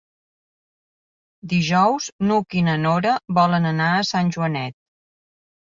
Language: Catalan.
Dijous n'Hug i na Nora volen anar a Sant Joanet.